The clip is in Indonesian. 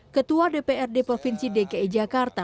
ketua dprd provinsi dki jakarta